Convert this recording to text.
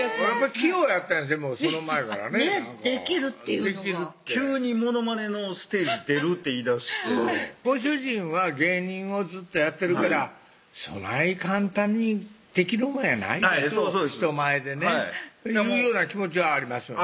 器用やったんやその前からねできるっていうのが急に「モノマネのステージ出る」って言いだしてご主人は芸人をずっとやってるからそない簡単にできるもんやないと人前でねいうような気持ちはありますわねあります